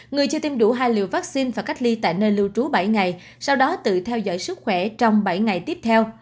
người chưa tiêm đủ hai liều vaccine và cách ly tại nơi lưu trú bảy ngày sau đó tự theo dõi sức khỏe trong bảy ngày tiếp theo